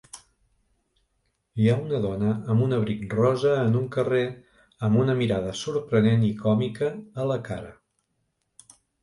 Hi ha una dona amb un abric rosa en un carrer amb una mirada sorprenent i còmica a la cara